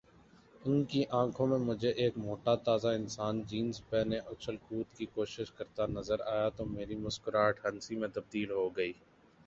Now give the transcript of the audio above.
ان کی آنکھوں میں مجھے ایک موٹا تازہ انسان جینز پہنے اچھل کود کی کوشش کرتا نظر آیا تو میری مسکراہٹ ہنسی میں تبدیل ہوگئی